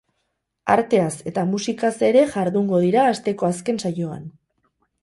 Arteaz eta musikaz ere jardungo dira asteko azken saioan.